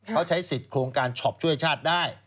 เขาใช้สิทธิ์โครงการช็อปช่วยชาติได้